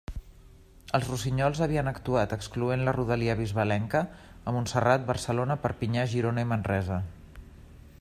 Els Rossinyols havien actuat, excloent la rodalia bisbalenca, a Montserrat, Barcelona, Perpinyà, Girona i Manresa.